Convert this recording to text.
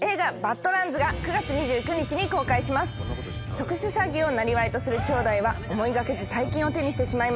特殊詐欺をなりわいとする姉弟は思いがけず大金を手にしてしまいます。